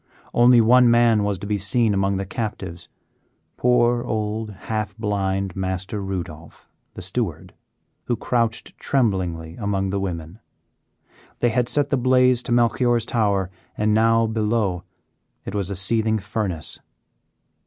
Only one man was to be seen among the captives, poor, old, half blind Master Rudolph, the steward, who crouched tremblingly among the women. They had set the blaze to Melchior's tower, and now, below, it was a seething furnace.